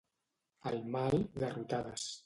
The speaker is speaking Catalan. Al mal, garrotades.